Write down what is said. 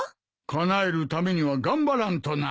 かなえるためには頑張らんとな。